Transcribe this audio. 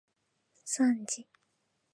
さんじ